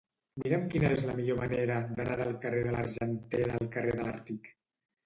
Mira'm quina és la millor manera d'anar del carrer de l'Argentera al carrer de l'Àrtic.